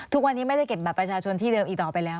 ทุกวันนี้ไม่ได้เก็บบัตรประชาชนที่เดิมอีกต่อไปแล้ว